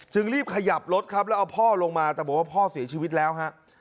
รีบขยับรถครับแล้วเอาพ่อลงมาแต่บอกว่าพ่อเสียชีวิตแล้วฮะ